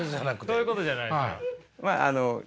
そういうことじゃないですか。